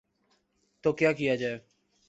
تو کیا کیا جائے؟